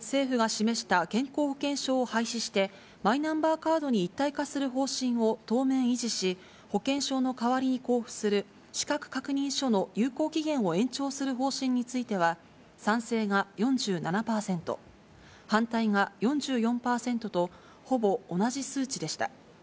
政府が示した健康保険証を廃止して、マイナンバーカードに一体化する方針を当面維持し、保険証の代わりに交付する資格確認書の有効期限を延長する方針については、賛成が４７％、反対が４４％と、ほぼ同じ数値でした。